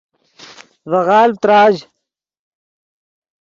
ڤے غالڤ تراژ